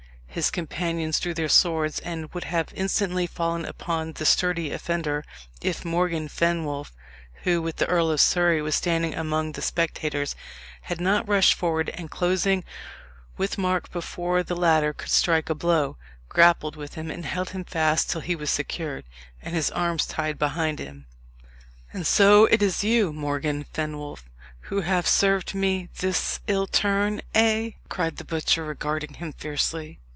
His companions drew their swords, and would have instantly fallen upon the sturdy offender, if Morgan Fenwolf, who, with the Earl of Surrey, was standing among the spectators, had not rushed forward, and, closing with Mark before the latter could strike a blow, grappled with him, and held him fast till he was secured, and his arms tied behind him. "And so it is you, Morgan Fenwolf, who have served me this ill turn, eh?" cried the butcher, regarding him fiercely.